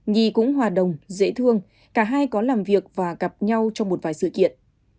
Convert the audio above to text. nhi cũng hòa đồng dễ thương cả hai có làm việc và gặp nhau trong một vài sự kiện